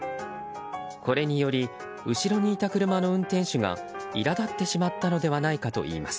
これにより後ろにいた車の運転手が苛立ってしまったのではないかといいます。